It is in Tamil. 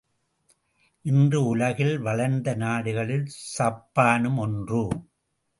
இன்று உலகில் வளர்ந்த நாடுகளில் சப்பானும் ஒன்று.